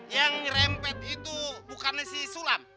yang rempet itu bukannya si sulam